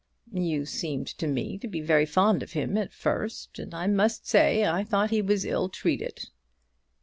"You seemed to me to be very fond of him at first; and I must say, I thought he was ill treated."